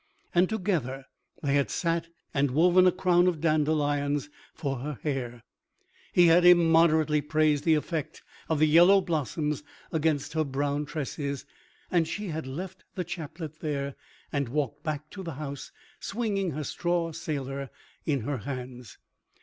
And together they had sat and woven a crown of dandelions for her hair. He had immoderately praised the effect of the yellow blossoms against her brown tresses; and she had left the chaplet there, and walked back to the house swinging her straw sailor in her hands.